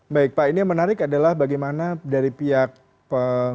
baik pak ini yang menarik adalah bagaimana dari pihak pengelola